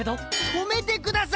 止めてください！